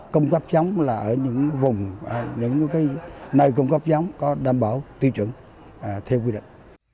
các nơi cung cấp giống có đảm bảo tiêu chuẩn theo quy định